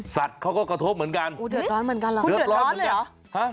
สัตว์เขาก็กระทบเหมือนกันเดือดร้อนเหมือนกันเดือดร้อนเหมือนกันคุณเดือดร้อนเหรอ